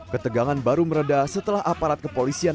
ketegangan baru meredah setelah aparat kepolisian